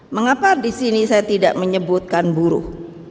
mengapa di sini saya tidak menyebutkan buruh